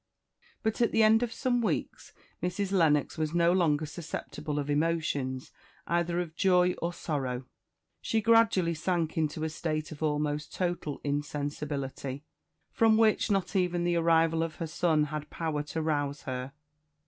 But at the end of some weeks Mrs. Lennox was no longer susceptible of emotions either of joy or sorrow. She gradually sank into a state of almost total insensibility, from which not even the arrival of her son had power to rouse her.